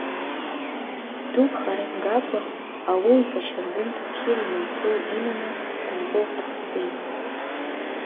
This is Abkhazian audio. Дук хара имгакәа, Алоу-иԥа Шьардын Таҳири Мансоуи иманы Сҭампылҟа дцеит.